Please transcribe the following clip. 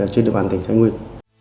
trên đường bàn tỉnh thái nguyên